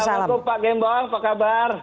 assalamualaikum pak gembong apa kabar